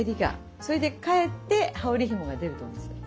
それで返って羽織ひもが出ると思うんですよね。